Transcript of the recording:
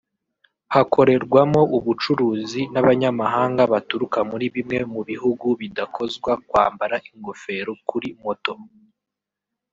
hakorerwamo ubucuruzi n’abanyamahanga baturuka muri bimwe mu bihugu bidakozwa kwambara ingofero kuri moto